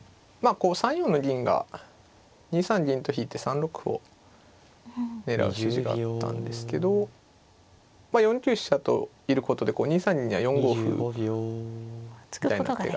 こう３四の銀が２三銀と引いて３六歩を狙う筋があったんですけど４九飛車といることで２三銀には４五歩。みたいな手が。